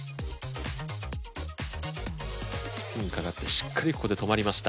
スピン掛かってしっかりここで止まりました。